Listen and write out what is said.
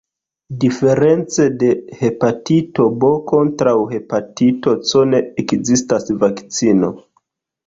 Diference de hepatito B, kontraŭ hepatito C ne ekzistas vakcino.